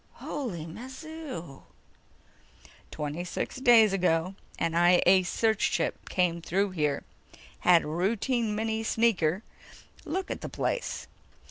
"Holy mazoo!" "Twenty six days ago an I A search ship came through here, had a routine mini sneaker look at the place.